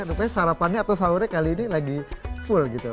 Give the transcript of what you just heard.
katanya sarapannya atau sahurnya kali ini lagi full gitu